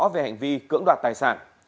về hành vi cưỡng đoạt tài sản